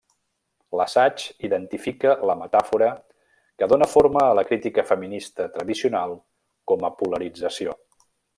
L'assaig identifica la metàfora que dóna forma a la crítica feminista tradicional com a polarització.